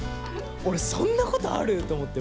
俺そんなことある！？と思って。